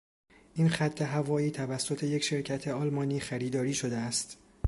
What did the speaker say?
این خط هوایی توسط یک شرکت آلمانی خریداری شده است.